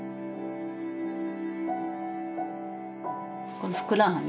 このふくらはぎ？